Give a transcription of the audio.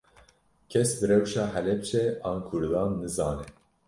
Kes bi rewşa Helepçe an Kurdan nizane